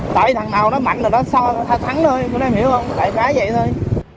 tại thằng nào nó mạnh là nó xo nó thắng thôi các em hiểu không tại khá vậy thôi